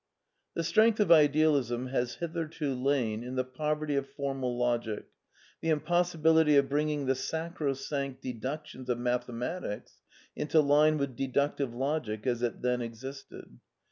The strength of Idealism has hitherto lain in the poverty of Formal Logic, the impossibility of bringing the sacro sanct deductions of mathematics into line with deductive logic aa it then existed.